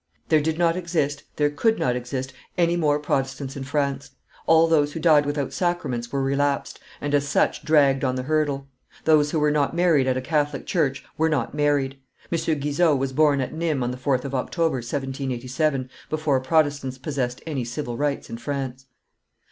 There did not exist, there could not exist, any more Protestants in France; all who died without sacraments were relapsed, and as such dragged on the hurdle. Those who were not married at a Catholic church were not married. M. Guizot was born at Nimes on the 4th of October, 1787, before Protestants possessed any civil rights in France.